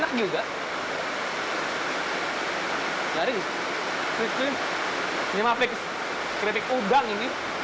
keripik udang ini